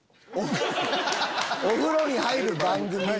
お風呂に入る番組。